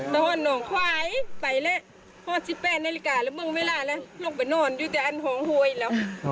ถ้าห้อนน้องควายไปแล้วห้อนสิบแปดนาฬิกาแล้วเมื่อเวลาละลงไปนอนอยู่แต่อันห้องโฮยแล้ว